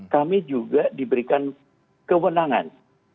kami juga diberikan kewenangan